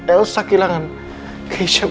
elsa kehilangan keisha